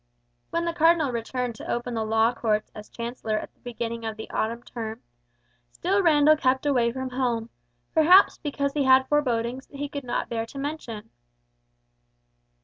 When the Cardinal returned to open the law courts as Chancellor at the beginning of the autumn term, still Randall kept away from home, perhaps because he had forebodings that he could not bear to mention.